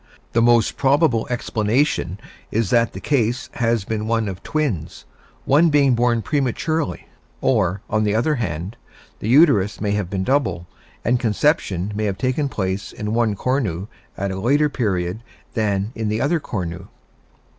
The most probable explanation is that the case has been one of twins, one being born prematurely; or, on the other hand, the uterus may have been double, and conception may have taken place in one cornu at a later period than in the other cornu.